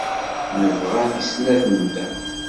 Nebɣa-t i snat-nteɣ.